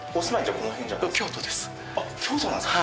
・あっ京都なんですか？